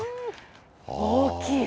大きい。